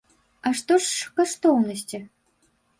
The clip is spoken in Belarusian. А што ж каштоўнасці?